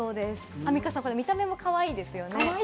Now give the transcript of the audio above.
アンミカさん、見た目もかわいいですよね。